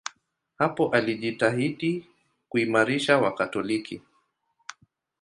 Hapo alijitahidi kuimarisha Wakatoliki.